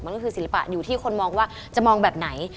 มันก็คือศิลปะอยู่ที่คนมองว่าจะมองแบบไหน